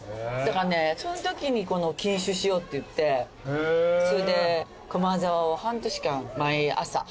そんときに禁酒しようって言ってそれで駒沢を。